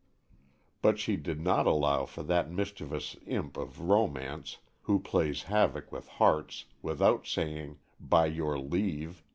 But she did not allow for that mischievous Imp of Romance who plays havoc with hearts without saying "by your leave."